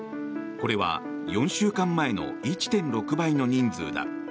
これは４週間前の１．６倍の人数だ。